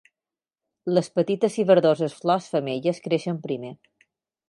Les petites i verdoses flors femelles creixen primer.